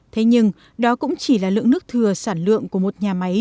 thế nhưng đó cũng chỉ là lượng nước thừa sản lượng của một nhà máy